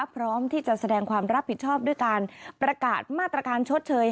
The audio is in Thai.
พร้อมที่จะแสดงความรับผิดชอบด้วยการประกาศมาตรการชดเชย